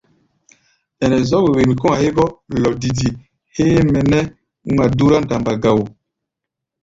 Ɛnɛ zɔ́k wen kɔ̧́-a̧ hégɔ́ lɔdidi héé mɛ nɛ́ ŋma dúrá ndamba ga wo.